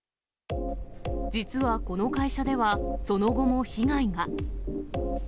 実はこの会社では、その後も被害が。